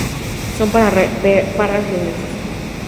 Son parras leñosas.